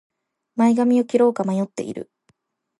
前髪を切ろうか迷っている